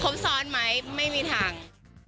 ครบซ้อนไหมไม่มีทาง